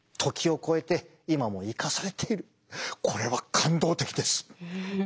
これは感動的です！